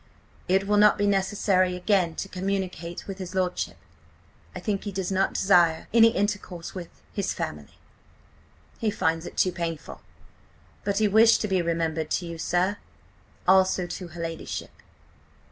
It will not be necessary again to communicate with his lordship. I think he does not desire any intercourse with–his family. He finds it too painful. But he wished to be remembered to you, sir. Also to her ladyship."